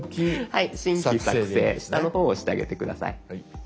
はい「新規作成」下の方を押してあげて下さい。